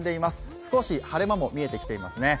少し晴れ間も見えてきてますね。